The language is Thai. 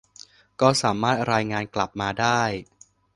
ก็สามารถรายงานกลับมาได้